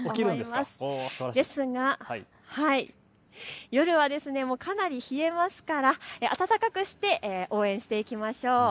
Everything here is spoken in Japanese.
ですが、夜はかなり冷えますから暖かくして応援していきましょう。